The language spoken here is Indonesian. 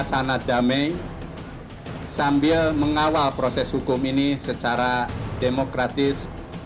sangat damai sambil mengawal proses hukum ini secara demokratis